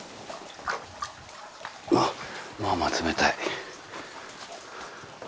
まあまあ冷たい。